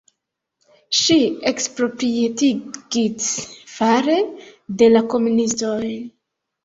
Ŝi eksproprietigits fare de la komunistoj.